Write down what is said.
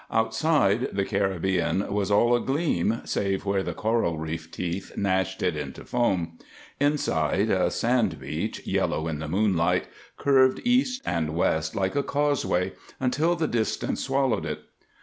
Outside, the Caribbean was all agleam, save where the coral reef teeth gnashed it into foam; inside, a sand beach, yellow in the moonlight, curved east and west like a causeway until the distance swallowed it.